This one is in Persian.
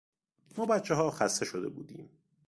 ما بچهها خسته شده بودیم.